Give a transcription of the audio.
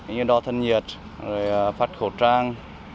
như đo thân nhiệt phát khẩu trang